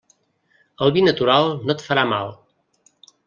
El vi natural no et farà mal.